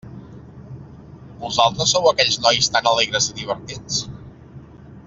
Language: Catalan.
Vosaltres sou aquells nois tan alegres i divertits?